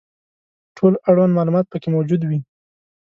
ټول اړوند معلومات پکې موجود وي.